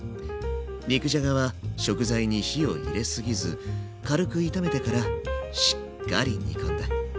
肉じゃがは食材に火を入れすぎず軽く炒めてからしっかり煮込んで。